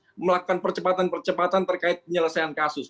untuk melakukan percepatan percepatan terkait penyelesaian kasus